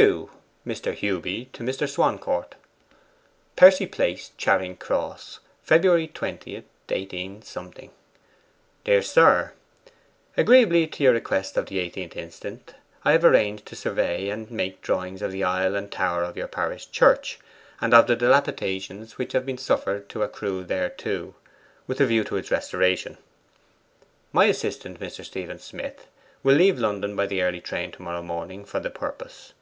2. MR. HEWBY TO MR. SWANCOURT. "PERCY PLACE, CHARING CROSS, Feb. 20, 18 . 'DEAR SIR, Agreeably to your request of the 18th instant, I have arranged to survey and make drawings of the aisle and tower of your parish church, and of the dilapidations which have been suffered to accrue thereto, with a view to its restoration. 'My assistant, Mr. Stephen Smith, will leave London by the early train to morrow morning for the purpose.